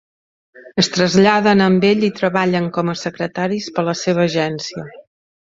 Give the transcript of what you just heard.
Es traslladen amb ell i treballen com a secretaris per a la seva agència.